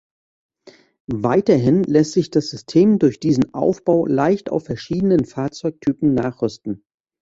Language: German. Weiterhin lässt sich das System durch diesen Aufbau leicht auf verschiedenen Fahrzeugtypen nachrüsten.